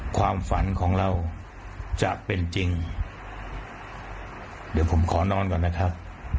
ความฝันของเราจะเป็นจริงเดี๋ยวผมขอนอนก่อนนะครับ